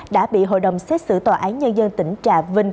đã bị hội đồng xét xử tòa án nhân dân tỉnh trà vinh